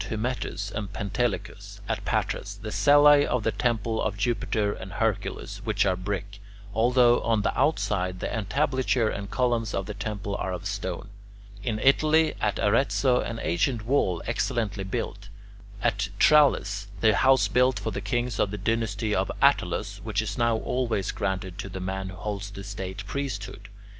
Hymettus and Pentelicus; at Patras, the cellae of the temple of Jupiter and Hercules, which are brick, although on the outside the entablature and columns of the temple are of stone; in Italy, at Arezzo, an ancient wall excellently built; at Tralles, the house built for the kings of the dynasty of Attalus, which is now always granted to the man who holds the state priesthood.